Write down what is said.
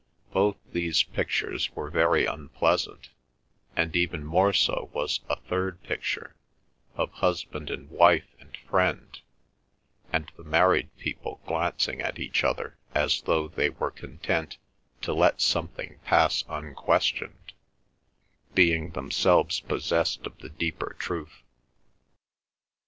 Both these pictures were very unpleasant, and even more so was a third picture, of husband and wife and friend; and the married people glancing at each other as though they were content to let something pass unquestioned, being themselves possessed of the deeper truth.